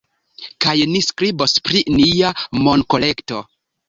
Kaj ni skribos pri nia monkolekto